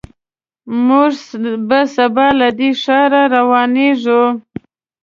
موږ به سبا له دې ښار روانېږو.